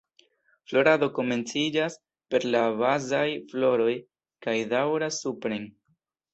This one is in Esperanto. Florado komenciĝas per la bazaj floroj kaj daŭras supren.